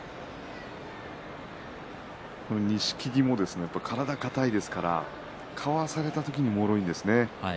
錦木も体が硬いですからかわされた時にもろいですよね。